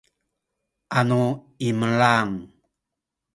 anu imelang